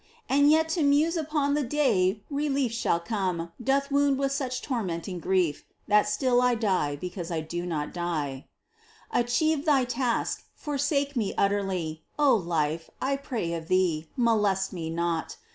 And yet to muse upon the day relief Shall come, doth wound with such tormenting grief That still I die because I do not die. Achieve thy task — forsake me utterly ! O Life, I pray of thee, molest me not